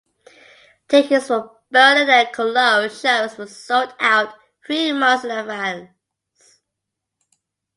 Tickets for Berlin and Cologne shows were sold out three months in advance.